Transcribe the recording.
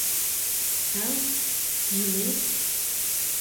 Тый... илет?